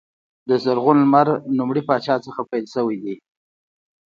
د زرغون لمر لومړي پاچا څخه پیل شوی دی.